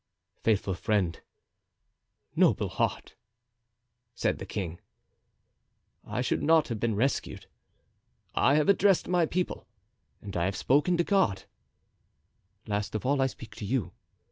"Faithful friend, noble heart!" said the king, "I should not have been rescued. I have addressed my people and I have spoken to God; last of all I speak to you.